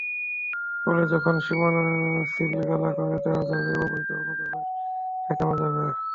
ফলে তখন সীমানা সিলগালা করে দেওয়া যাবে, অবৈধ অনুপ্রবেশ ঠেকানো যাবে।